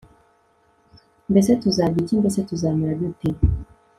Mbese tuzarya iki mbese tuzamera dute